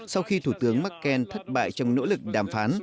sau khi thủ tướng merkel thất bại trong nỗ lực đàm phán